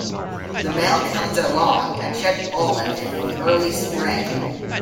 The male cones are long, and shed pollen in the early spring.